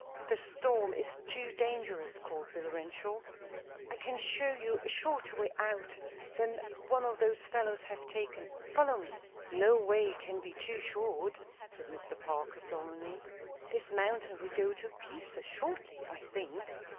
"The storm is too dangerous," called Bill Renshaw. "I can show you a shorter way out than the one those fellows have taken. Follow me." "No way can be too short," said Mr. Parker, solemnly. "This mountain will go to pieces shortly, I think!"